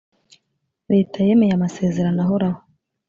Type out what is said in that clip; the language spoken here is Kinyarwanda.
leta yemeye amasezerano ahoraho